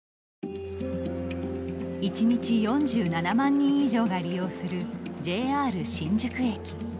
１日４７万人以上が利用するＪＲ新宿駅。